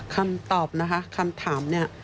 คำตอบนะคะคำถามเนี่ย